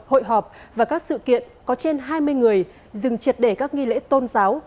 hội họp và các sự kiện có trên hai mươi người dừng triệt để các nghi lễ tôn giáo